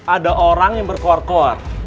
ada orang yang berkor kor